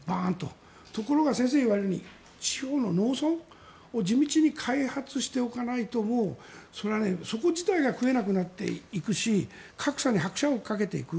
ところが、先生が言われるように地方の農村を地道に開発をしておかないとそれは、そこ自体が食えなくなっていくし格差に拍車をかけていく。